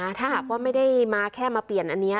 ถ้าหากว่าไม่ได้มาแค่มาเปลี่ยนอันนี้